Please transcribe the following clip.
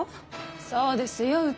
そうですようた。